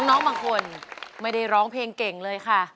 น้องบางคนไม่ได้ร้องเพลงเก่งเลยค่ะ